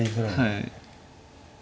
はい。